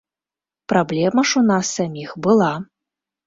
Праблема ж у нас саміх была.